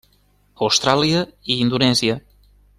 Austràlia i Indonèsia.